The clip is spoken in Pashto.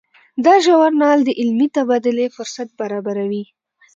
دا ژورنال د علمي تبادلې فرصت برابروي.